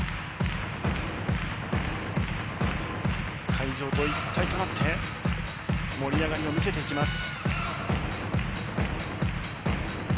会場と一体となって盛り上がりを見せていきます。